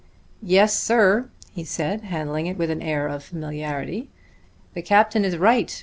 "Yes, sir," he said, handling it with an air of familiarity, "the captain is right.